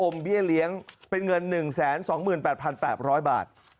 เบี้ยเลี้ยงเป็นเงิน๑๒๘๘๐๐บาท